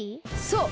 そう！